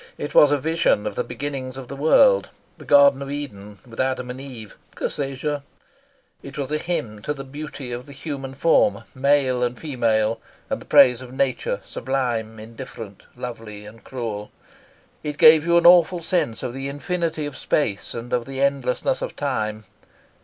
It was a vision of the beginnings of the world, the Garden of Eden, with Adam and Eve it was a hymn to the beauty of the human form, male and female, and the praise of Nature, sublime, indifferent, lovely, and cruel. It gave you an awful sense of the infinity of space and of the endlessness of time.